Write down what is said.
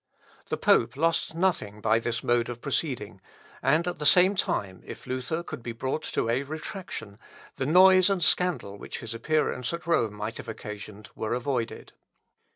The pope lost nothing by this mode of proceeding; and, at the same time, if Luther could be brought to a retractation, the noise and scandal which his appearance at Rome might have occasioned were avoided.